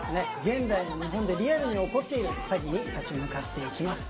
現代の日本でリアルに起こっている詐欺に立ち向かっていきます